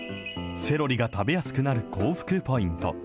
セロリが食べやすくなる口福ポイント。